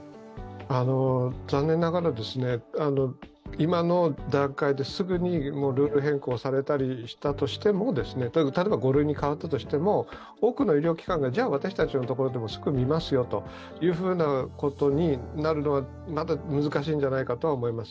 残念ながら、今の段階ですぐにルール変更されたりしても例えば５類に変わったとしても多くの医療機関がじゃあ私たちのところでもすぐ診ますよというようなことになるのはまだ難しいんじゃないかと思います。